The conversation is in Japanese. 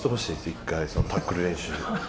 １回、タックル練習。